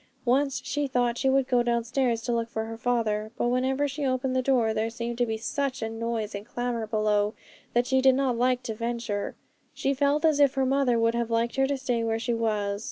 Once she thought she would go downstairs to look for her father; but whenever she opened the door, there seemed to be such a noise and clamour below, that she did not like to venture; she felt as if her mother would have liked her to stay where she was.